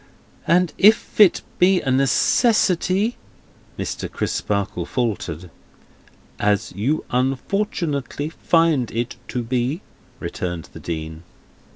"And if it be a necessity—" Mr. Crisparkle faltered. "As you unfortunately find it to be," returned the Dean.